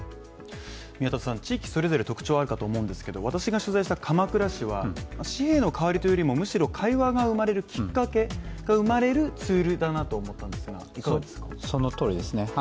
地域それぞれ特徴があるかと思うんですけど私が取材した鎌倉市は紙幣の代わりというよりもむしろ会話が生まれるきっかけが生まれるツールだなと思ったんですが、いかがですか。